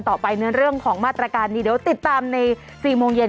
ต่อไปในเรื่องของมาตรการนี้เดี๋ยวติดตามใน๔โมงเย็น